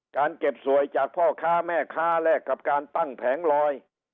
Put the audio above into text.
การเก็บสวยจากพ่อค้าแม่ค้าแลกกับการตั้งแผงลอย